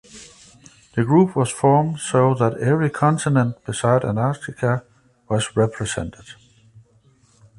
The group was formed so that every continent (besides Antarctica) was represented.